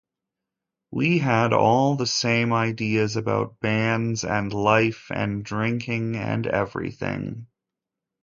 We had all the same ideas about bands and life and drinking and everything.